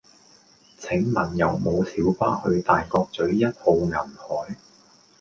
請問有無小巴去大角嘴一號銀海